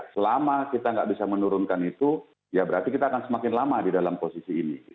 selama kita nggak bisa menurunkan itu ya berarti kita akan semakin lama di dalam posisi ini